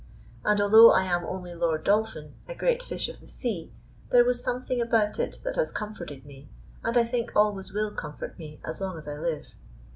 And although I am only Lord Dolphin, a great fish of the sea, there was something about it that has comforted me, and I think always will comfort me as long as I live.